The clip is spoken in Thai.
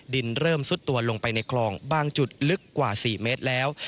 ดินเริ่มซุดตัวลงไปในคลองบางจุดลึกกว่า๔เมตรแล้ว